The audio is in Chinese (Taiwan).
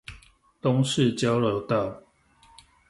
東勢交流道